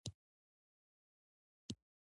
په نړۍ کې له پنځوس زره څخه زیات ډولونه یې موجود دي.